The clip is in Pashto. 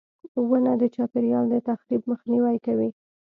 • ونه د چاپېریال د تخریب مخنیوی کوي.